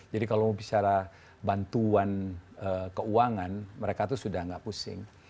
jadi kalau bicara bantuan keuangan mereka itu sudah tidak pusing